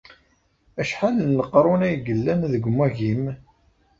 Acḥal n leqrun ay yellan deg umagim?